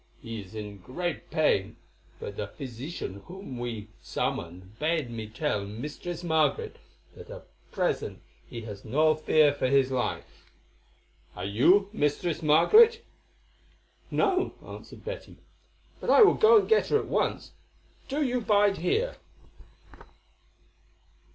He is in great pain; but the physician whom we summoned bade me tell Mistress Margaret that at present he has no fear for his life. Are you Mistress Margaret?" "No," answered Betty; "but I will go to her at once; do you bide here."